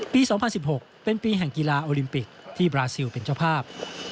๒๐๑๖เป็นปีแห่งกีฬาโอลิมปิกที่บราซิลเป็นเจ้าภาพ